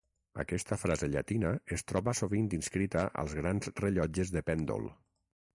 Aquesta frase llatina es troba sovint inscrita als grans rellotges de pèndol.